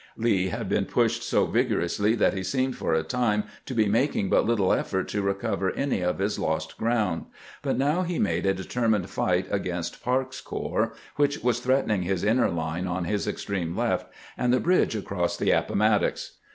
Lee had been pushed so vigorously that he seemed for a time to be making but little effort to recover any of his lost ground ; but now he made a de termined fight against Parke's corps, which was threat ening his inner line on his extreme left, and the bridge across the Appomattox.